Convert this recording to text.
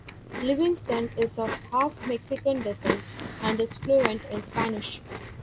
Livingston is of half Mexican descent, and is fluent in Spanish.